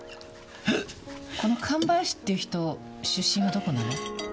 この神林っていう人出身はどこなの？